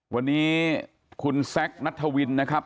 วันนี้คุณแซคนัทวินนะครับ